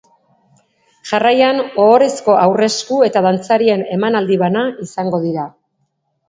Jarraian, ohorezko aurresku eta dantzarien emanaldi bana izango dira.